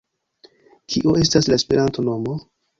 Kio estas la Esperanto-nomo?